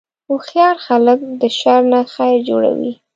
هوښیار خلک د شر نه خیر جوړوي.